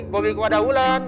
bobi kepada ulan